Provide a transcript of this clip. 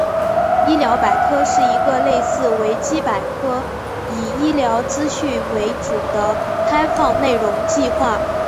医疗百科是一个类似维基百科以医疗资讯为主的开放内容计划。